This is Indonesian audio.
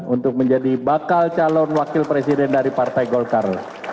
untuk menjadi bakal calon wakil presiden dari partai golkar